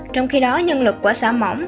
trong khi đó nhân lực của xã mỏng